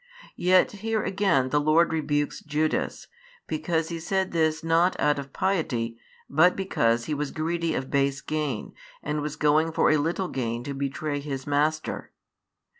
Yet here again the Lord rebukes Judas, because he said this not out of piety, but because he was greedy of base gain, and was going for a little gain to betray his Master.